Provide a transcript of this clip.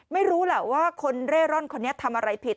ไม่รู้แหละว่าคนเร่ร่อนคนนี้ทำอะไรผิด